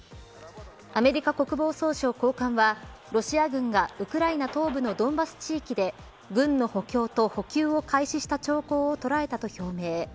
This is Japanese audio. アメリカ国防総省高官はロシア軍がウクライナ東部のドンバス地域で軍の補強と補給を開始した兆候を捉えたと表明。